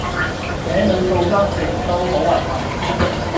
這裡告急亦都好遺憾